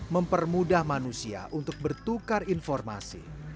mempermudah manusia untuk bertukar informasi